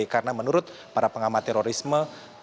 karena menurut para pengamat terorisme